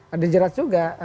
ada jerat juga